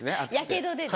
やけどです。